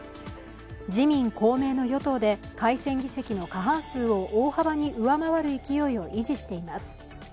自民・公明の与党で改選議席の過半数を大幅に上回る勢いを維持しています。